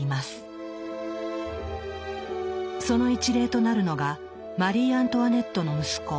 その一例となるのがマリー・アントワネットの息子